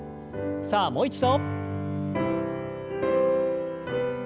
さあもう一度。